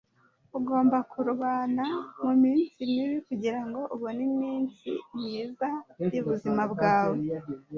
ugomba kurwana muminsi mibi kugirango ubone iminsi myiza yubuzima bwawe